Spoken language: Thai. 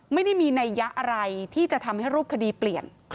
ไม่ได้มีนัยยะอะไรที่จะทำให้รูปคดีเปลี่ยน